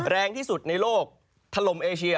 แรงที่สุดในโลกถล่มเอเชีย